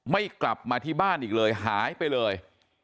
ไม่กลับมาที่บ้านอีกเลยหายไปเลย